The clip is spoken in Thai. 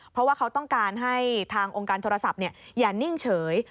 เพราะว่าเขาต้องการให้ทางองค์การโทรศัพท์อย่านิ่งเฉย